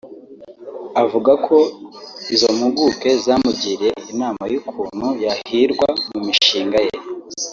Avuga ko izo mpuguke zamugiriye inama y’ukuntu yahirwa mu mishinga ye